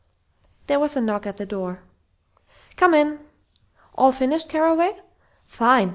There was a knock at the door. "Come in!... All finished, Carraway?... Fine!